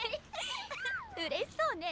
うれしそうね。